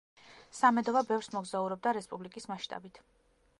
სამედოვა ბევრს მოგზაურობდა რესპუბლიკის მასშტაბით.